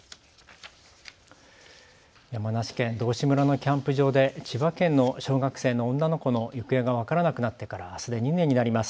山梨県道志村のキャンプ場で千葉県の小学生の女の子の行方が分からなくなってからあすで２年になります。